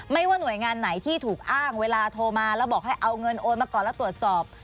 ว่าหน่วยงานไหนที่ถูกอ้างเวลาโทรมาแล้วบอกให้เอาเงินโอนมาก่อนแล้วตรวจสอบ